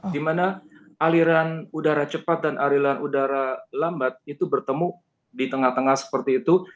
di mana aliran udara cepat dan aliran udara lambat itu bertemu di tengah tengah seperti itu